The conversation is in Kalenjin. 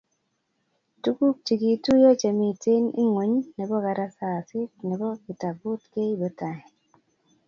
Tuguk chigituiyo chemiten ingweny nebo karatasit nebo kitabut keibe tai---